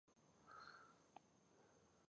هر یو خپله ګټه لري.